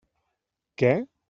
Què?